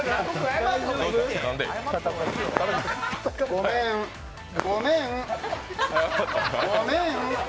ごめん、ごめん。